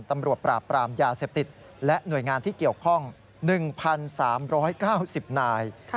ตำรวจปราบปรามยาเสพติดและหน่วยงานที่เกี่ยวข้อง๑๓๙๐นาย